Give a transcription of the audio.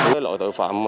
với lỗi tội phạm